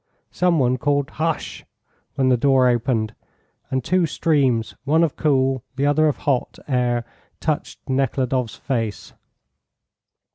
Some one called "Hush!" when the door opened, and two streams, one of cool, the other of hot, air touched Nekhludoff's face.